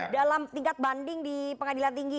dalam tingkat banding di pengadilan tinggi